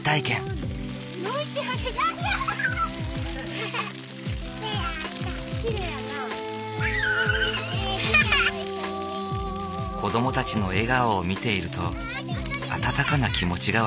子どもたちの笑顔を見ていると温かな気持ちが湧き上がってくる。